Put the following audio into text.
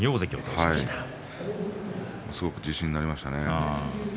すごく自信になりましたね。